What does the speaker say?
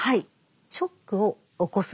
ショックを起こす。